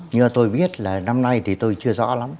nhưng mà tôi biết là năm nay thì tôi chưa rõ lắm